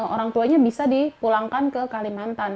orang tuanya bisa dipulangkan ke kalimantan